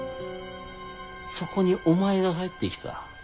そこにお前が入ってきた。